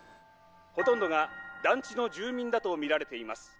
ほとんどが団地の住民だと見られています」。